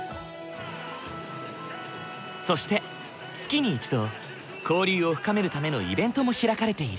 そして月に１度交流を深めるためのイベントも開かれている。